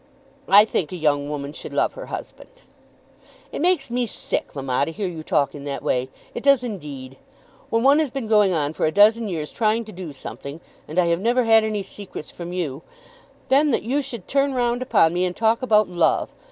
"I think a young woman should love her husband." "It makes me sick, mamma, to hear you talk in that way. It does indeed. When one has been going on for a dozen years trying to do something, and I have never had any secrets from you, then that you should turn round upon me and talk about love!